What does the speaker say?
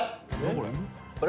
これ」